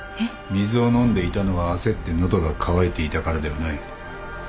水を飲んでいたのは焦って喉が渇いていたからではない。